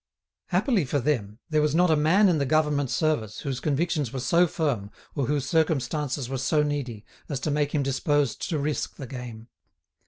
Happily for them, there was not a man in the government service whose convictions were so firm or whose circumstances were so needy as to make him disposed to risk the game.